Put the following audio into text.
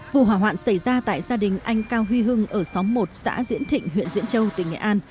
vụ hỏa hoạn xảy ra tại gia đình anh cao huy hưng ở xóm một xã diễn thịnh huyện diễn châu tỉnh nghệ an